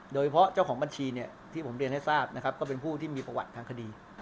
เฉพาะเจ้าของบัญชีเนี่ยที่ผมเรียนให้ทราบนะครับก็เป็นผู้ที่มีประวัติทางคดี